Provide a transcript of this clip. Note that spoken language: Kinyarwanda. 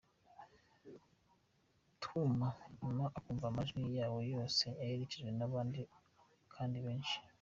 twuma, nyuma ukumva amajwi yawe yose yoherejwe abandi kandi benshi.